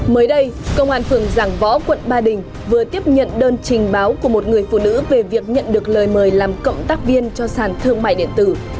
mới đây công an phường giảng võ quận ba đình vừa tiếp nhận đơn trình báo của một người phụ nữ về việc nhận được lời mời làm cộng tác viên cho sàn thương mại điện tử